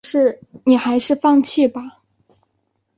你还是放弃吧